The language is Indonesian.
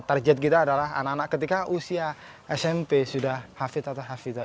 target kita adalah anak anak ketika usia smp sudah hafid atau hafidh